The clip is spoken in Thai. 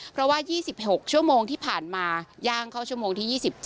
เพราะว่า๒๖ชั่วโมงที่ผ่านมาย่างเข้าชั่วโมงที่๒๗